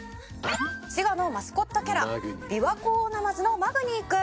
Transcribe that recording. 「滋賀のマスコットキャラビワコオオナマズのマグニー君」